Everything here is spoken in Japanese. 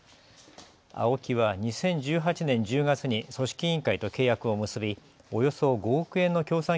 ＡＯＫＩは２０１８年１０月に組織委員会と契約を結びおよそ５億円の協賛